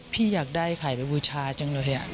พี่อยากได้ไข่ไปบูชาจังเลย